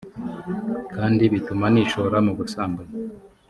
kandi bituma nishora mu busambanyi